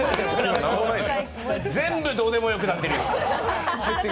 全部どうでもよくなってるよ。